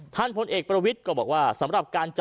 ท่านผลเอกประวิตป์ก็บอกว่าสำหรับการจับบ่อนเนี้ย